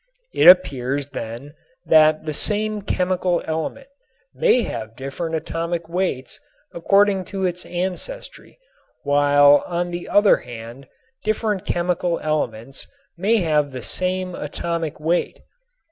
It appears then that the same chemical element may have different atomic weights according to its ancestry, while on the other hand different chemical elements may have the same atomic weight.